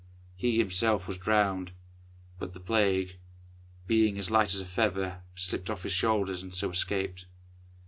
He himself was drowned, but the Plague, being as light as a feather, slipped off his shoulders, and so escaped.